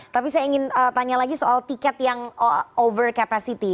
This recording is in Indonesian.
tapi saya ingin tanya lagi soal tiket yang over capacity